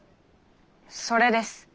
それです。